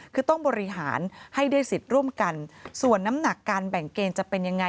คือต้องบริหารให้ได้สิทธิ์ร่วมกันส่วนน้ำหนักการแบ่งเกณฑ์จะเป็นยังไง